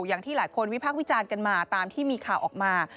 อย่างที่หลายคนวิพากษ์วิจารณ์กันมาตามที่มีข่าวออกมา